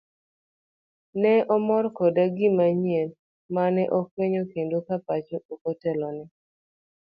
Ne omor koda gima nyien mane ofwenyo kendo ka pacho okotelone.